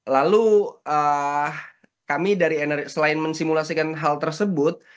lalu kami dari selain mensimulasikan hal tersebut